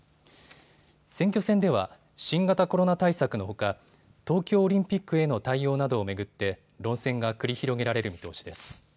選挙戦では新型コロナ対策のほか東京オリンピックへの対応などを巡って論戦が繰り広げられる見通しです。